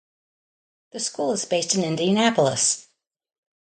The school is based in Indianapolis.